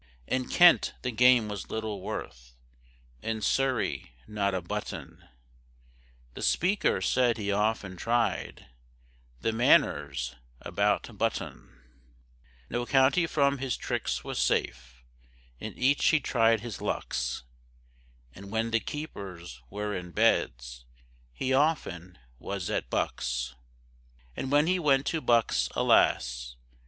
In Kent the game was little worth, In Surrey not a button; The Speaker said he often tried The Manors about Button. No county from his tricks was safe; In each he tried his lucks, And when the keepers were in Beds, He often was at Bucks. And when he went to Bucks, alas!